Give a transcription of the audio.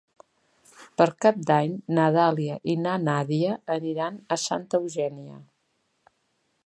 Per Cap d'Any na Dàlia i na Nàdia aniran a Santa Eugènia.